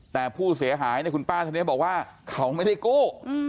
แต่ผู้เสียหายเนี่ยคุณป้าท่านนี้บอกว่าเขาไม่ได้กู้